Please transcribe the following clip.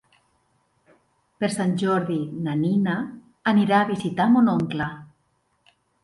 Per Sant Jordi na Nina anirà a visitar mon oncle.